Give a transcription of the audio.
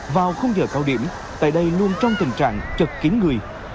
vào khung giờ cao điểm tại đây luôn trong tình trạng chật kín người